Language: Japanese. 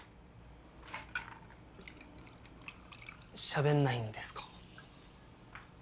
しゃべんないんですか？